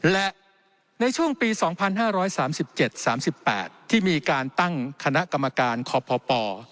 และในช่วงปี๒๕๓๗๓๘ที่มีการตั้งคณะกรรมการคพป